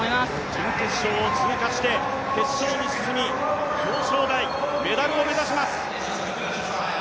準決勝を通過して決勝に進み、表彰台メダルを目指します。